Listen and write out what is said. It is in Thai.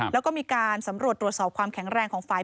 แล้วก็มีการสำรวจตรวจสอบความแข็งแรงของฝ่าย